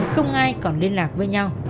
không ai còn liên lạc với nhau